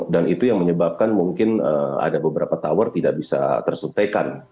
dan itu yang menyebabkan mungkin ada beberapa tower tidak bisa tersentekan